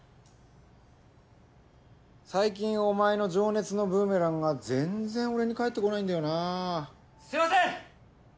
最近お前の情熱のブーメランが全然俺にかえってこないんだよなぁすいません！